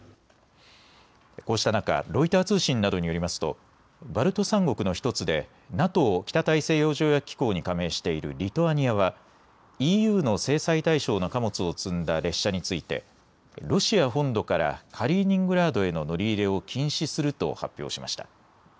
こうした中、ロイター通信などによりますとバルト３国の１つでＮＡＴＯ・北大西洋条約機構に加盟しているリトアニアはＥＵの制裁対象の貨物を積んだ列車についてロシア本土からカリーニングラードへの乗り入れを禁止すると発表しました。